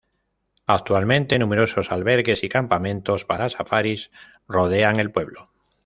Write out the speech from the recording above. Actualmente numerosos albergues y campamentos para safaris rodean el pueblo.